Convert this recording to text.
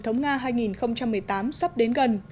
cuộc bầu cử của tổng thống nga hai nghìn một mươi tám sắp đến gần